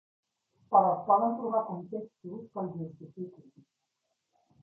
Però es poden trobar contextos que els justifiquin.